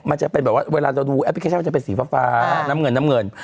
มันจะเป็นแบบว่าเวลาเราดูแอปพลิเคชันจะเป็นสีฟ้าน้ำเงินน้ำเงิน